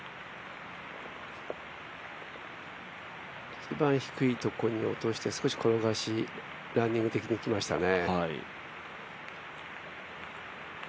一番低いところに落として、少し転がし、ランニング的に来ましたね。